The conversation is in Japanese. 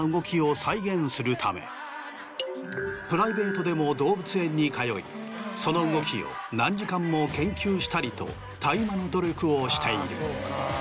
プライベートでも動物園に通いその動きを何時間も研究したりとたゆまぬ努力をしている。